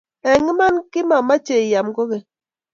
Eng Iman kimameche aim kogeny